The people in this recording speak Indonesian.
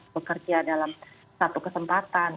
bekerja dalam satu kesempatan